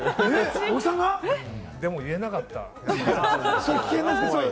でも言えなかった。